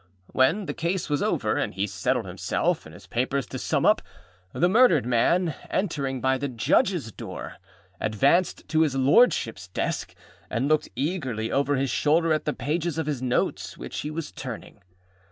When the case was over, and he settled himself and his papers to sum up, the murdered man, entering by the Judgesâ door, advanced to his Lordshipâs desk, and looked eagerly over his shoulder at the pages of his notes which he was turning.